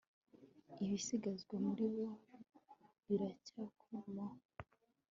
ibisigazwa muri bo biracyakomaho